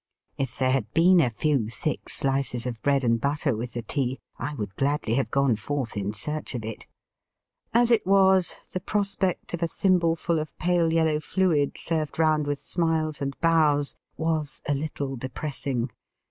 If there had been a few thick shoes of bread and butter with the tea I would gladly have gone forth in search of it. As it was, the prospect of a thimbleful of pale yellow fluid served round with smiles and bows was a little depressing.